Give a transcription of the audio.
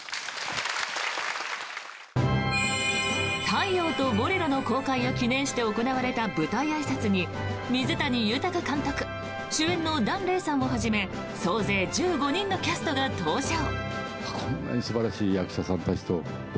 「太陽とボレロ」の公開を記念して行われた舞台あいさつに水谷豊監督主演の檀れいさんをはじめ総勢１５人のキャストが登場。